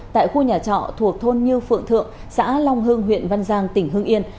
tại khu nhà trọ thuộc thôn như phượng thượng xã long hương huyện văn giang tỉnh hương yên